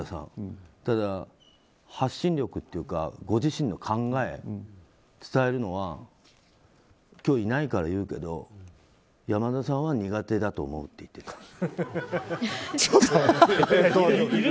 ただ、発信力というかご自身の考えを伝えるのは今日いないから言うけど山田さんは苦手だと思うって言ってた。